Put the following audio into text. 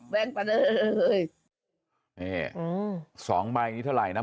วันบ้านเลยสองใบนี่เขาไหลนะ